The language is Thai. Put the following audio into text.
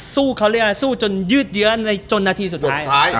สู้จนยืดเยอะจนนาทีสุดท้าย